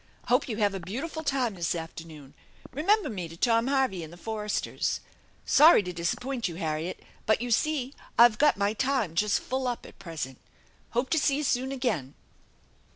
Hope you have a beautiful time this afternoon. Eemember me to Tom Harvey and the Foresters. Sorry to disappoint you, Harriet, but you see I've got my time just full up at present. Hope to see you soon again."